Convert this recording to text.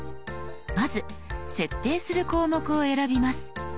まず設定する項目を選びます。